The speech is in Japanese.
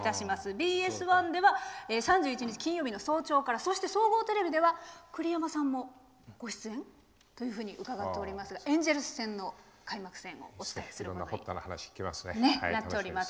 ＢＳ１では３１日金曜日の早朝からそして、総合テレビでは栗山さんもご出演とうかがっておりますがエンジェルス戦の開幕戦をお伝えすることになっております。